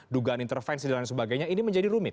dugaan intervensi dan lain sebagainya ini menjadi rumit